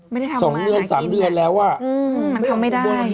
ไม่ได้ทำมาอาหารกินไงมันทำไม่ได้